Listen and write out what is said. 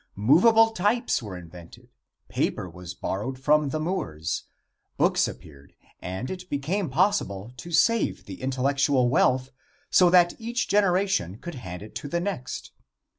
Movable types were invented, paper was borrowed from the Moors, books appeared, and it became possible to save the intellectual wealth so that each generation could hand it to the next.